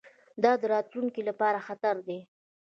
دا د راتلونکي لپاره خطر دی.